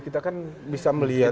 kita kan bisa melihat